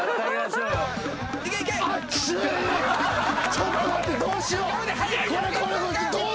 ちょっと待ってどうしよう。